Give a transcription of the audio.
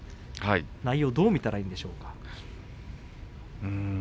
内容はどう見たらいいでしょうか。